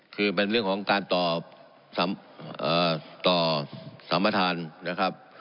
คือเป็นเรื่องของการต่อสัมประธานนะครับ